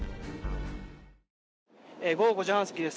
午後５時半過ぎです。